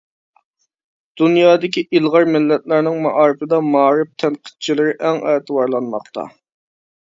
دۇنيادىكى ئىلغار مىللەتلەرنىڭ مائارىپىدا مائارىپ تەنقىدچىلىرى ئەڭ ئەتىۋارلانماقتا.